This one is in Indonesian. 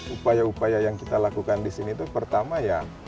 upaya upaya yang kita lakukan di sini itu pertama ya